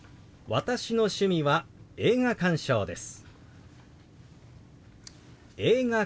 「私の趣味は映画鑑賞です」。